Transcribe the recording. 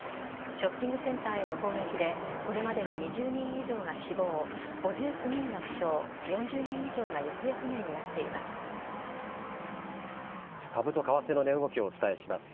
ショッピングセンターへの攻撃でこれまでに２０人以上が死亡５９人が負傷４０人以上が株と為替の値動きをお伝えします。